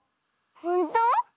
ほんと？